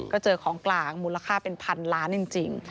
ก็เจอของกลางมูลค่าเป็นพันล้านจริง